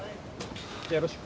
じゃよろしく。